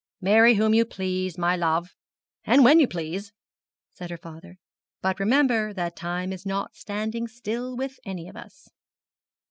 'Marry whom you please, my love, and when you please,' said her father; 'but remember that time is not standing still with any of us.'